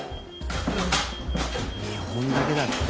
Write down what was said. ２本だけだって。